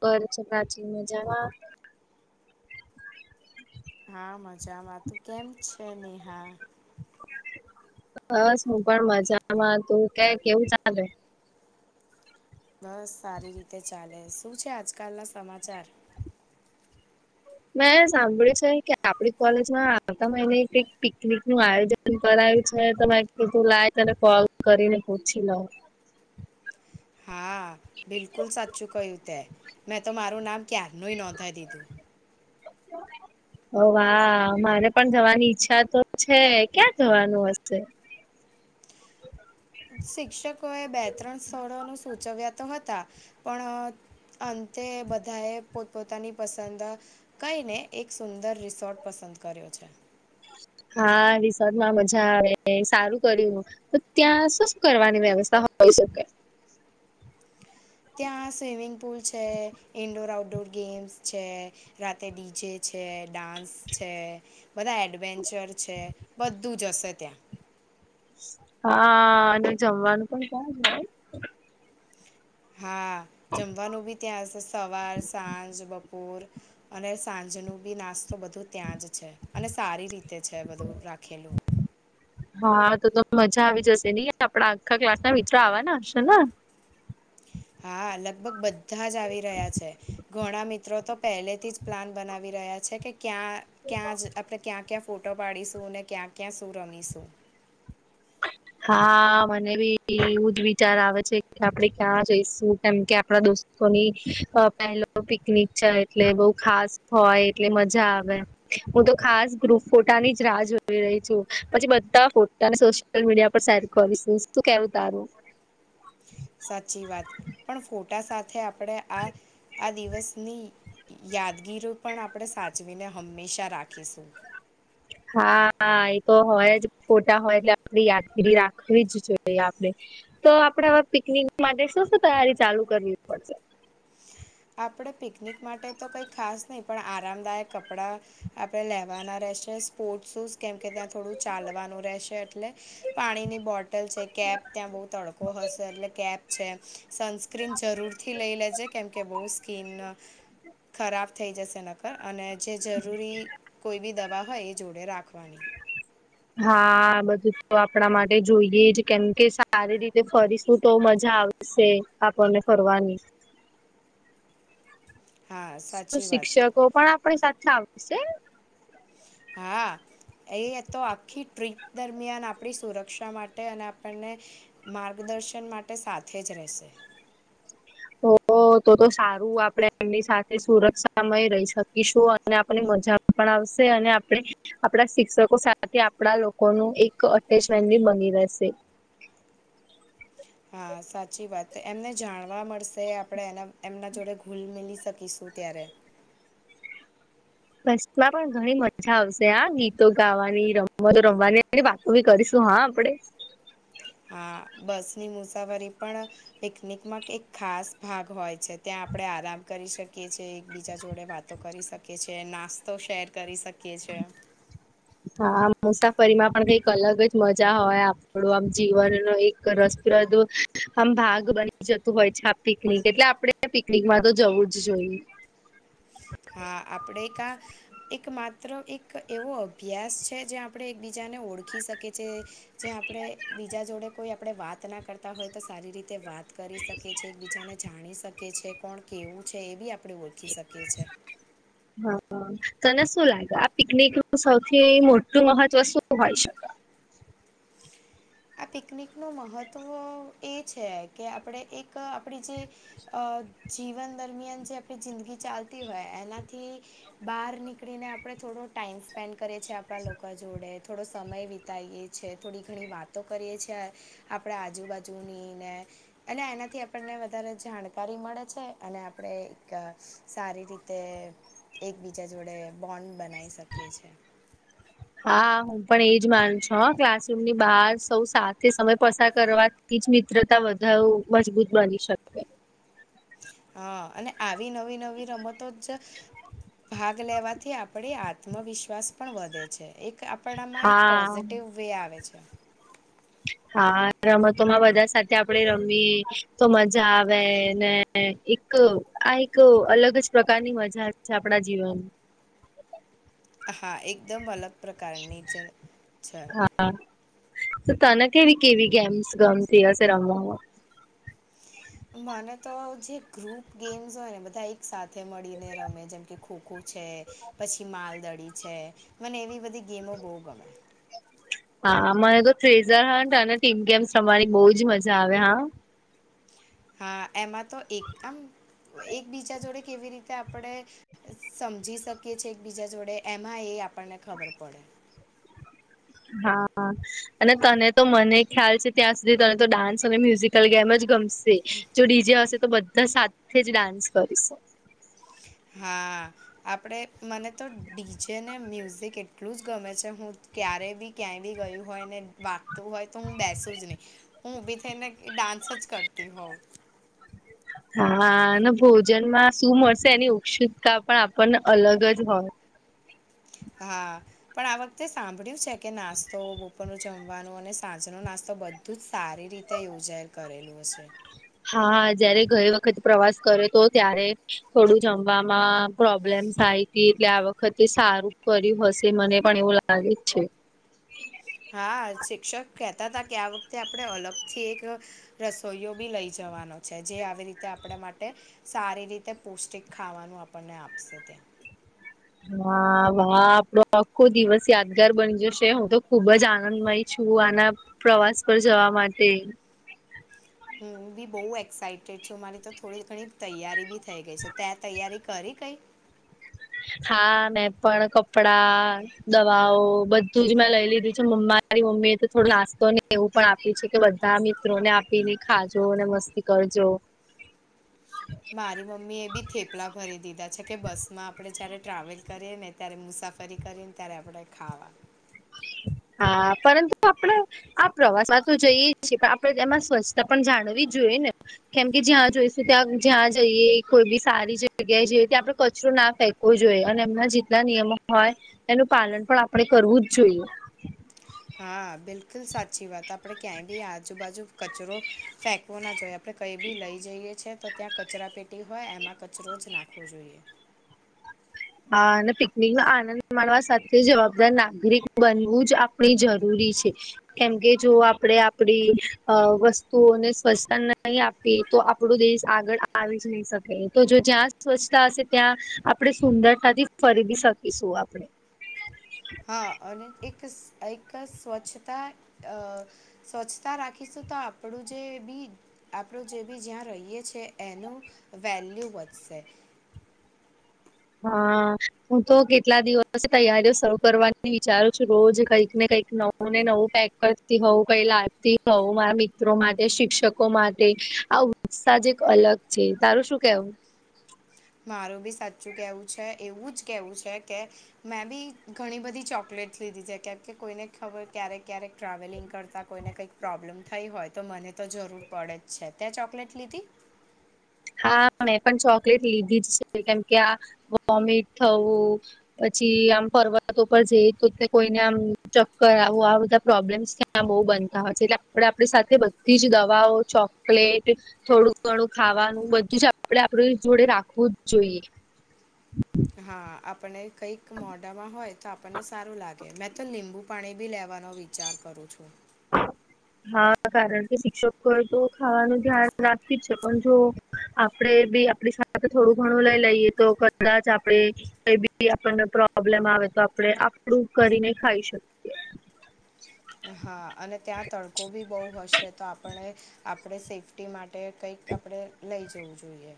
કર છે પ્રાચી મજામાં. હા મજામાં તું કેમ છે? નેહા. બસ હું પણ મજામા તું કાય કેવું ચાલે? બસ સારી રીતે ચાલે શું છે આજકાલ ના સમાચાર? મેં સાંભળ્યું છે કે આપડી કોલેજમાં આવતા મઇને એક પિકનિક નું આયોજન કરાવી છે તો મે કીધું લાય તને કોલ કરીને પૂછી લાવું. હા બિલકુલ સાચું કહ્યું તે મેં તો મારું નામ ક્યારનુંય નોંધાવી દીધું. [inaudible] હ વાહ મારે પણ જવાની ઈચ્છા તો છે ક્યાં જવાનું હશે? શિક્ષકો એ બે ત્રણ સ્થળો નું સૂચવ્યા તો હતા. પણ અંતે બધાએ પોત-પોતાની પસંદ કઈને એક સુંદર રિસોર્ટ પસંદ કર્યો છે. હા રિસોર્ટ માં મજા આવે સારું કર્યું. તો ત્યાં શું શું કરવાની વ્યવસ્થા હોય શકે? ત્યાં સ્વિમિંગ પુલ છે. ઈન્ડોર આઉટડોર ગેમ્સ છે. રાતે ડીજે છે ડાન્સ છે બધા એડવેન્ચર છે બધું જ હશે ત્યાં. હા અને જમવાનું પણ [unintelligible] હા જમવાનું બી ત્યાં જ સવાર, સાંજ, બપોર. અને સાંજનું બી નાસ્તો બધું ત્યાં જ છે, અને સારી રીતે છે બધું રાખેલું. હા તો તો મજા આવી જશે નહી આપડા આખા ક્લાસ ના મિત્રો આવવાના હશે ને. હા લગભગ બધા જ આવી રહ્યા છે. ઘણા મિત્રો તો પહેલે થી જ પ્લાન બનાવી રહ્યા છે કે ક્યાં ક્યાં જ આપણે ક્યાં ક્યાં ફોટો પાડીશું ને ક્યાં ક્યાં શું રમીશું. હા મને બી એવું જ વિચાર આવે છે કે આપડે ક્યાં જઈશું કેમ કે આપડા દોસ્ત લોકો ની પહેલો પિકનિક છે એટલે બઉ ખાસ હોય એટલે મજા આવે. હું તો ખાસ ગ્રુપ ફોટાની જ રાહ જોઈ રહી છું પછી બધા ફોટાને સો સોશિયલ મીડિયા પર શેર કરુ શું કેવું તારું. સાચી વાત પણ ફોટા સાથે આપણે આ આ દિવસની યાદગીરી પણ આપણે સાચવીને હંમેશા રાખીશું. હા એ તો હોય જ ફોટા હોય એટલે આપણે યાદગીરી રાખવી જ જોઈએ આપણે. તો આપડે આવે પિકનિક માટે શું શું તૈયારી ચાલુ કરવી પડશે. આપણે પિકનિક માટે તો કંઈ ખાસ નહી પણ આરામદાયક કપડાં આપણે લેવાના રહેશે સ્પોર્ટ શૂઝ કેમ કે ત્યાં થોડું ચાલવાનું રહેશે એટલે પાણીની બોટલ છે કેપ ત્યાં બહુ તડકો હશે એટલે કેપ છે સન્સ સ્ક્રીન જરૂરથી લઈ લેજે કેમ કે બહુ સ્કીન ખરાબ થઈ જશે નકર અને જે જરૂરી કોઈ બી દવા હોય એ જોડે રાખવાની હા બધું તો આપણા માટે જોઈએ જ કેમકે સારી રીતે ફરીશું તો મજા આવે છે આપણને ફરવાની હા શું સાચી વાત શિક્ષકો પણ આપણી સાથે આવશે. હા. એ તો આખી ટ્રીપ દરમિયાન આપણી સુરક્ષા માટે અને આપણને માર્ગદર્શન માટે સાથે જ રહેશે. ઓ ઓ તો તો સારું આપણે એમની સાથે સુરક્ષા માય રહી શકીશું અને આપને મજા પણ આવશે અને આપણે આપણા શિક્ષકો સાથે આપણા લોકોનું એક અટેચમેન્ટ બી બની રહેશે હા સાચી વાત એમને જાણવા મળશે આપણે એના એમના જોડે ગુલ મિલી શકીશું ત્યારે બસ માં પણ ઘણી મજા આવશે આ ગીતો ગાવાની રમતો રમવાની અને ઉભી કરીશું હા આપડે હા બસની મુસાફરી પણ પિકનિકમાં એક ખાસ ભાગ હોય છે ત્યાં આપણે આરામ કરી શકીએ. કીએ છીએ એકબીજા જોડે વાતો કરી શકીએ છીએ નાસ્તો શેર કરી શકીએ છીએ. હા આમ મુસાફરીમાં પણ કઈક અલગ જ મજા હોય આપણું આમ જીવન નુ એક રસપ્રદ આમ ભાગ બની જતું હોય છે આપ પિકનિક એટલે આપડે પિકનિકમાં તો જવું જ જોઈએ. હા આપણેે કા એક માત્ર એક એવો અભ્યાસ છે જે આપણે એક બીજાને ઓળખી શકીએ કે જે આપણે બીજા જોડે કોઈ આપણે વાત ના કરતા હોય તો સારી રીતે વાત કરી શકીએ છીએ એક બીજાને જાણી શકીએ છીએ કોણ કેવું છે એ બી આપણે ઓળખી શકીએ છીએ. હા હા. તને શું લાગે આ પિકનિક નું સૌથી મોટું મહત્વ શું હોય શકે આ પિકનિક નું મહત્ત્વ એ છે કે આપણે એક એક આપણી જે અ જીવન દરમિયાન જે આપણી જિંદગી ચાલતી હોય એનાથી બહાર નીકળી ને આપડે થોડો ટાઈમ સ્પેન્ડ કરીએ છીએ આપણા લોકો જોડે થોડો સમય વિતાઈએ છીએ થોડી ઘણી વાત તો કરીએ છીએ આપણે આજુબાજુની ને અને એનાથી આપણને વધારે જાણકારી મળે છે અને આપણે એક સારી રીતે એકબીજા જોડે બોન્ડ બનાવી શકીએ છીએ. હા હું પણ એજ માનું છું ક્લાસરૂમ ની બહાર સૌ સાથે સમય પસાર કરવા થી જ મિત્રતા વધારે મજબૂત બની શકે. હા અને આવી નવી નવી રમતો જ ભાગ લેવાથી આપડે આત્મવિશ્વાસ પણ વધે છે. એક આપણામાં એક હા પોઝિટિવ વે આવે છે. હા રમતો માં બધા સાથે આપડે રમીએ તો મજા આવે ને, એક આ એક અલગ જ પ્રકારની મજા છે આપણા જીવન હા એકદમ અલગ પ્રકારની જ છે. હા તો તને કેવી કેવી ગેમ્સ ગમતી હશે રમ [inaudible] મને તો જે ગ્રુપ ગેમ્સ હોય ને બધા એક સાથે મળીને રમે જેમ કે ખોખો છે, પછી માલદડી છે મને એવી બધી ગેમો બહુ ગમે. હા મને તો થ્રેઝર હ અને ટીમ ગેમ્સ રમવાની બહુ જ મજા આવે હા. હા એમાં તો એક આમ એકબીજા જોડે કેવી રીતે આપડે સમજી શકીએ છે એકબીજા જોડે એમાં એ આપણને ખબર પડે. હા હા. અને તને તો મને ખ્યાલ છે ત્યાં સુધી તને તો ડાન્સ અને મ્યુઝિકલ ગેમ જ ગમશે‌. જો ડીજે હશે તો બધા સાથે જ ડાન્સ કરીશ. હા આપડે મને તો ડીજે ને મ્યુઝિક એટલું જ ગમે છે. હું ક્યારે બી ક્યાંય બી ગયું. હોય ને વાગતું હોય તો હું બેસું જ નહી હું ઉભી થઈને ડાન્સ જ કરતી હોઉં. [inaudible] હા અને ભોજનમાં શું મળશે એની ઉત્સુકતા પણ આપણને અલગ જ હોય. હા. પણ આ વખતે સાંભળ્યું છે કે નાસ્તો, બપોરનું જમવાનું અને સાંજનો નાસ્તો બધ બધું જ સારી રીતે યોજાય કરેલું હશે. હા જયારે ગઈ વખત પ્રવાસ કર્યો તો ત્યારે થોડું જમવામાં પ્રોબ્લેમ્સ આઇતી એટલે આ વખતે સારું કર્યું હશે મને પણ એવું લાગે છે. હા શિક્ષક કહેતા હતા કે આ વખતે આપણે અલગથી એક રસોઈયો બી લઈ જવાનો છે જે આવી રીતે આપણે માટે સારી રીતે પૌષ્ટિક ખાવાનું આપણને આપશે ત્યાં. હા વાહ આપડો આખો દિવસ યાદગાર બની જશે હું તો ખુબ જ આનંદમય. છું આના પ્રવાસ પર જવા માટે. હું બી બહુ એક્સાઇટેડ છું મારી તો થોડી ઘણી તૈયારી બી થઈ ગઈ છે તે તૈયારી કરી કઈ. હા મે પણ કપડા, દવાઓ બધું જ મેં લઈ લીધું છે મારી મમ્મી એ તો થોડો નાસ્તો નહી એવું પણ આપી છે કે બધા મિત્રોને આપીને ખાજો અને મસ્તી કરજો. [inaudible] મારી મમ્મી એ બી થેપલા ભરી દીધા છે કે બસમાં આપણે જયારે ટ્રાવેલ કરીએ ને. ત્યારે મુસાફરી કરીને ત્યારે આપણે ખાવા. હા પરંતુ આપડે આ પ્રવાસમાં તો જઈએ જ છીએ પણ આપણે એમાં સ્વચ્છતા પણ જાણવી જોઈએ ને. કેમ કે જ્યાં જોઈશું ત્યાં જ્યાં જઈએ કોઈ બી સારી જગ્યાએ જેઈએ ત્યાં આપણે કચરો ના ફેંક વુ જોઈએ અને એમના જેટલા નિયમો હોય એનું પાલન પણ આપણે કરવું જ જોઈએ. હા બિલકુલ સાચી વાત આપડે ક્યાંય બી આજુબાજુ કચરો ફેંકવો ના જોઈએ. આપણે કંઈ બી લઈ જઈએ છે તો ત્યાં કચરા પેટી હોય એમાં કચરો જ નાખવો જોઈએ. હા અને પિકનિકનો આનંદ માણવા સાથે જવાબદાર નાગરિક બનવું જ આપણે જરૂરી છે. કેમકે જો આપણેે આપડી વસ્તુઓને સ્વછતા નઇ આપ તો આપણો દેશ આગળ આવી જ નહી શકે તો જો જ્યાં સ્વચ્છતા હશે ત્યાં આપડે. સુંદરતાથી ફરી બી શકીશું આપણે. હા અને એક એક સ્વચ્છતા અ. સ્વચ્છતા રાખીશું તો આપડું જે બી આપણો જે બી જ્યાં રહીએ છીએ એનું વેલ્યુ વધશે. હા હું તો કેટલા દિવસે તૈયારીઓ શરૂ કરવાની વિચારું છું રોજ કઈક ને કઈક નવ હું ને નવું પેક કરતી હોઉું કઈ લાગતી હોઉ મારા મિત્રો માટે શિક્ષકો માટે આવું. ઉત્સાહજ એક અલગ છે તારું શું કેવું. મારું બી સાચું કહેવું છે એવું જ કેહેવું છે કે મેં બી ઘણી બધી ચોકલેટસ લીધી છે કેમ કે કોઈને ખબર ક્યારેક ક્યારેક ટ્રાવેલિંગ કરતા કોઈને કંઈક. પ્રોબ્લેમ થઈ હોય તો મને તો જરૂર પડે જ છે ત્યાં ચોકલેટ લીધી? હા મેં પણ ચોકલેટ લીધી જ છે કેમકે આ વોમિટ થવું. પછી આમ પર્વતો પર જઈએ તો કોઈને આમ ચક્કર આવું આ બધા પ્રોબ્લેમ્સ ત બહુ બનતા હોય છે એટલે આપડે આપણી સાથે બધી જ દવાઓ, ચોકલેટ, થોડું ઘણું ખાવાનું બધું જ આપડે આપણી જોડે રાખવું જ જોઈએ હા આપને કઈક મોઢામાં હોય તો આપણને સારું લાગે મેં તો લીંબુ પાણી બી લેવાનો વિચાર કરું છું. હા કારણ કે શિક્ષકો તો ખાવાનું ધ્યાન રાખી જ. પણ જો આપડે બી આપણી સાથે થોડું ઘણું લઈ લઈએ તો કદાચ આપડણે કઈ બી આપણને પ્રોબ્લેમ આવે તો આપણે આપડું કરીને ખાઈ શકીએ હા અને ત્યાં તડકો બી બહુ હશે તો આપણે આપણે સેફ રટી માટે કંઈક આપણે લઈ જવું જોઈએ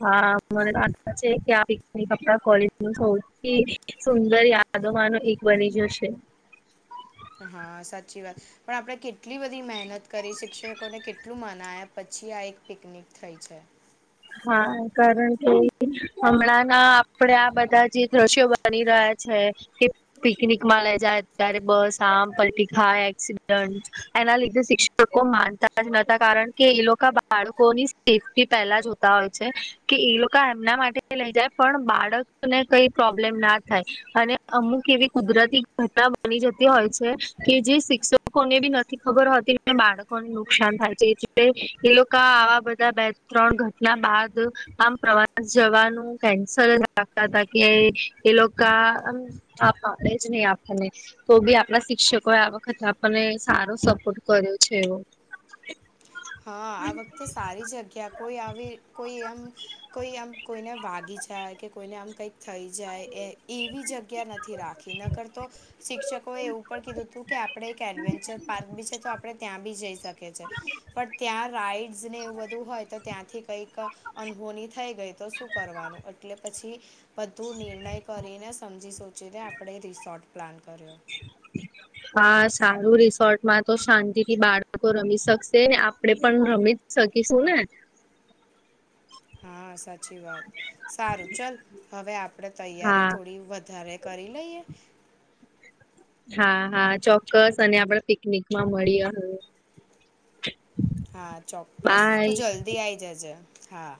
હા મનેધા છે કે પન કોલેજ સૌથી સુંદર યાદોમાંનો એક બની જશે હા સાચી વાત પણ આપણે કેટલી બધી મહેનત કરી શિક્ષકોને કેટલું મનાયા પછી આ એક પિકનિક થઈ છે. હા કારણ કે હમણાં ના આપડે આ બધા જે દ્રશ્યો બની રહ્યા છે. કે પિકનિક માં લઈ જાય અત્યારે બસ આમ પલટી ખાય એક્સિડન્ટ એના લીધે શિક્ષકો માનતા જ નતા કારણ કે એ લોકો બાળકોની સેફ્ટી પહેલા જ હોય છે કે એ લોકો એમના માટે લઈ જાય પણ બાળકને કઈ પ્રોબ્લેમ ના થાય અને અમુક એવી કુદરતી ઘટના બની જતી હોય છે કે જે શિક્ષકોને બી નથી ખબર હોતી બાળકોને નુકસાન થાય છે એટ એ લોકો આવા બધા બે ત્રણ ના બાદ આમ પ્રવાસ જવાનું કેન્સલ જ રાખતા હતાા કે એ લોકો હા હા એ જ નહી આપને તો બી આપણા શિક્ષકોએ આ વખત આપણને સારો સપોર્ટ કર્યો છે એવો [inaudible] હા આ વખતે સારી જગ્યા કોઈ આવી કોઈ એમ કોઈ આમ કોઈને વાગી જાય કે કોઈને આમ કઈક થઈ જાય એ એવી જગ્યા નથી રાખ ક ન કરતો શિક્ષકોએ એવું પણ કીધું હતું કે આપડે એક એડવેન્ચર પાર્ક બી છે તો આપડણે ત્યાં બી જઈ શકીએ પણ ત્યાં રાઇડ્સને એવું બધું હોય તો ત્યાંથી કંઈક અનહોની થઈ ગઈ તો શું કરવાનું એટલે પછી બધું નિર્ણય કરીને સમજી સોચીને આપણે રિસોર્ટ પ્લાન કર્યો હા સારું રિસોર્ટમાં તો શાંતિ થી બાળકો રમી શકશે ને આપડે પણ રમી જ સકી શું ને હા સાચી વાત સારું ચાલ હવે આપણે તૈયારી હા થોડી વધારે કરી લઈએ હા હા ચોક્કસ અને આપડ પિકનિક માં મળીએ હ હા ચોક્કસ બાય તું જલ્દી આવીઈ જજે હા.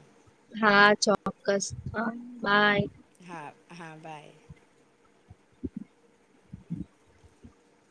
હા ચોક્કસ બાય હા હા બાય